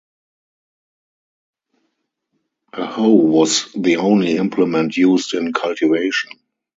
A hoe was the only implement used in cultivation.